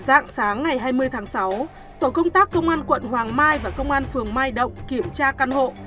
dạng sáng ngày hai mươi tháng sáu tổ công tác công an quận hoàng mai và công an phường mai động kiểm tra căn hộ